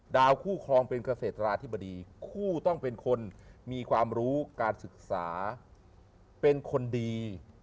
คู่ครองเป็นเกษตราธิบดีคู่ต้องเป็นคนมีความรู้การศึกษาเป็นคนดี